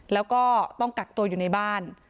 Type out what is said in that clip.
แล้วก็ต้องกักตัวอยู่ในบ้าน